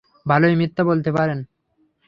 ভালোই মিথ্যা বলতে পারেন।